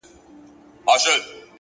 هوښیار انسان احساساتو ته لوری ورکوي.!